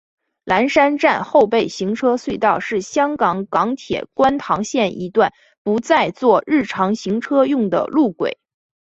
蓝田站后备行车隧道是香港港铁观塘线一段不再作日常行车用的路轨。